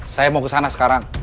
saya mau kesana sekarang